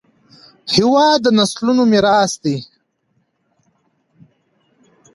هېواد د نسلونو میراث دی.